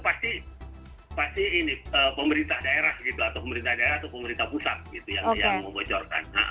pasti ini pemerintah daerah gitu atau pemerintah daerah atau pemerintah pusat gitu yang membocorkan